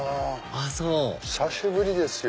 あそう久しぶりですよ。